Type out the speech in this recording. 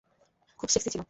খুব সেক্সি ছিলো!